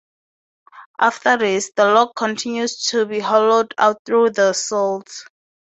After this, the log continues to be hollowed out through the slit.